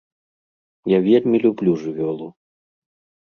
Я вельмі люблю жывёлу.